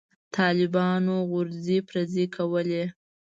طالبانو غورځې پرځې کولې.